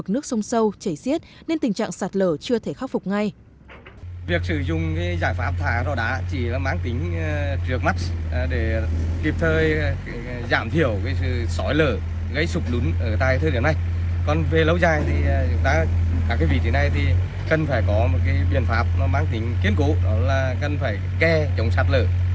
nước lũ đã bị nước lũ cuốn trôi mực nước sông sâu chảy xiết nên tình trạng sạt lở chưa thể khắc phục ngay